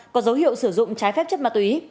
có dấu hiệu sử dụng trái phép chất ma túy